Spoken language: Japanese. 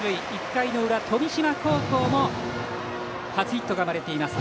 １回の裏、富島高校も初ヒットが生まれています。